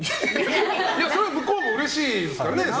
それは向こうもうれしいですからね。